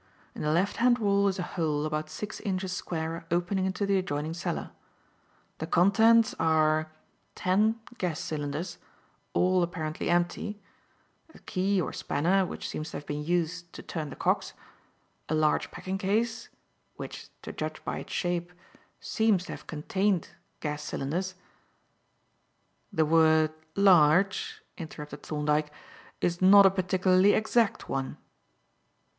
In the left hand wall is a hole about six inches square opening into the adjoining cellar. The contents are ten gas cylinders, all apparently empty, a key or spanner which seems to have been used to turn the cocks, a large packing case, which, to judge by its shape, seems to have contained gas cylinders " "The word 'large,'" interrupted Thorndyke, "is not a particularly exact one."